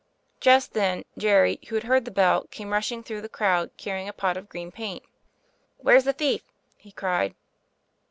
Just then, Jerry, who had heard the bell, came rushing through the crowd carrying a pot of green paint. "Where's the thief ?" he cried.